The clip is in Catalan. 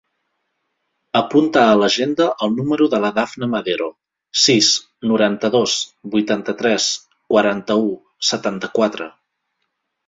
Apunta a l'agenda el número de la Dafne Madero: sis, noranta-dos, vuitanta-tres, quaranta-u, setanta-quatre.